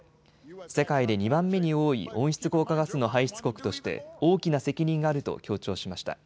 世界で２番目に多い温室効果ガスの排出国として大きな責任があると強調しました。